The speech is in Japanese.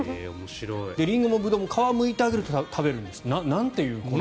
リンゴもブドウも皮をむいてあげると食べるんですって。